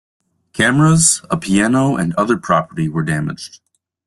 Cameras, a piano and other property were damaged.